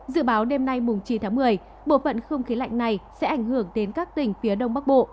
dự báo đêm nay chín tháng một mươi bộ phận không khí lạnh này sẽ ảnh hưởng đến các tỉnh phía đông bắc bộ